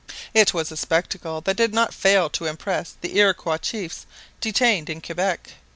It was a spectacle that did not fail to impress the Iroquois chiefs detained in Quebec.